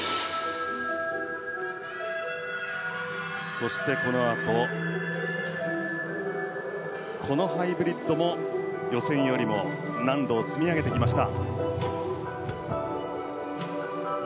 そして、このあとこのハイブリッドも予選よりも難度を積み上げてきました。